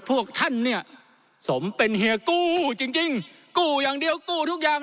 พวกท่านเนี่ยสมเป็นเฮียกู้จริงกู้อย่างเดียวกู้ทุกอย่าง